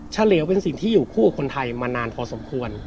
เฉลวเป็นสิ่งที่อยู่คู่กับคนไทยมานานพอสมควร